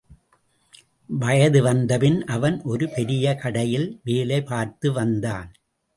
வயது வந்தபின் அவன் ஒரு பெரிய கடையில் வேலைபார்த்து வந்தான்.